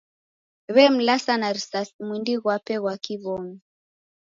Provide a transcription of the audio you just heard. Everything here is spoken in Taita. W'emlasa na risasi mwindi ghwape ghwa kiw'omi.